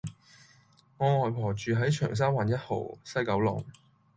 我外婆住喺長沙灣一號·西九龍